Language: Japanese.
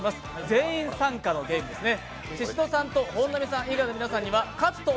全員参加のゲームですね。